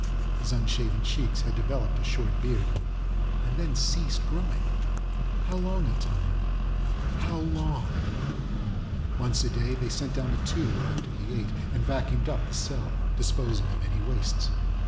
His unshaven checks had developed a short beard and then ceased growing. How long a time? How long? Once a day they sent down a tube after he ate and vacuumed up the cell, disposing of any wastes.